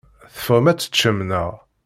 Teffɣem ad teččem, naɣ?